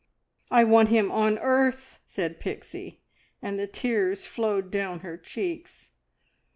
"I want him on earth!" said Pixie, and the tears flowed down her cheeks.